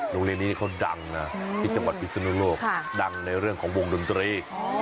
โรงเรียนนี้เขาดังนะพิศนุโลกดังในเรื่องของวงดนตรี